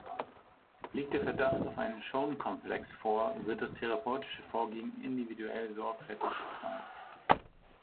Liegt der Verdacht auf einen Shone-Komplex vor, wird das therapeutische Vorgehen individuell sorgfältig geplant.